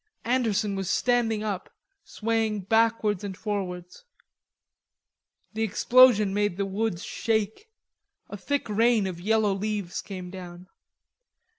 Anderson was standing up, swaying backwards and forwards. The explosion made the woods quake. A thick rain of yellow leaves came down.